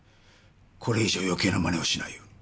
これ以上余計なまねをしないよう。